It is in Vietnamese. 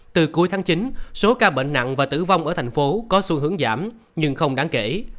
từ cuối tháng chín số ca bệnh nặng và tử vong ở thành phố có xu hướng giảm nhưng không đáng kể